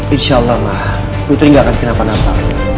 insya allah ma putri nggak akan kenapa napa